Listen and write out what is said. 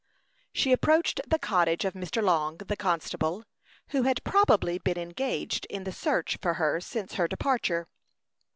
She approached the cottage of Mr. Long, the constable, who had probably been engaged in the search for her since her departure.